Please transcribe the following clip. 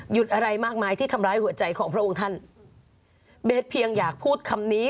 อะไรมากมายที่ทำร้ายหัวใจของพระองค์ท่านเบสเพียงอยากพูดคำนี้